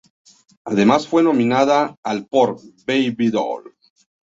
Además fue nominada al por "Baby Doll".